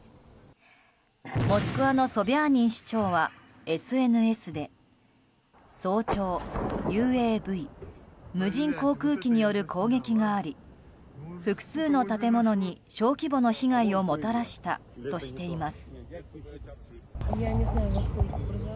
モスクワのソビャーニン市長はＳＮＳで早朝、ＵＡＶ・無人航空機による攻撃があり複数の建物に小規模の被害をもたらしたとしています。